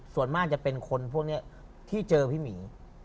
ส่วนมากจะเป็นคนพวกนี้ที่เจอพี่หมี